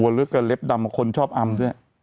ลึกกับเล็บดำคนชอบอำเนี่ย